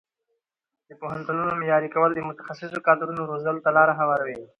د پوهنتونونو معیاري کول د متخصصو کادرونو روزلو ته لاره هواروي.